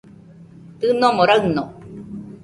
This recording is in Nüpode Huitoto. Dɨnomo raɨno